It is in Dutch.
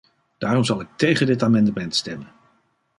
Daarom zal ik tegen dit amendement stemmen.